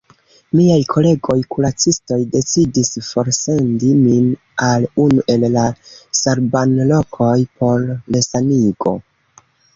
Miaj kolegoj-kuracistoj decidis forsendi min al unu el la salbanlokoj por resanigo.